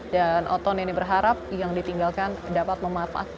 dan oton ini berharap yang ditinggalkan dapat memanfaat